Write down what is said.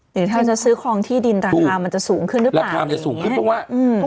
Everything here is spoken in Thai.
หรือถ้าเราจะซื้อครองที่ดินราคามันจะสูงขึ้นหรือเปล่าราคามันจะสูงขึ้นเพราะว่าอืม